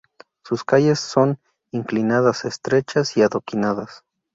Sus calles son inclinadas, estrechas y adoquinadas.